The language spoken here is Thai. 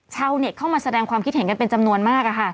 ชาวเน็ตเข้ามาแสดงความคิดเห็นกันเป็นจำนวนมาก